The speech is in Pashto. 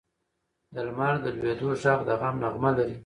د لمر د لوېدو ږغ د غم نغمه لري.